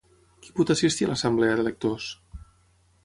Qui pot assistir a l'Assemblea de Lectors?